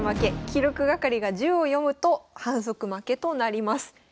記録係が１０を読むと反則負けとなります。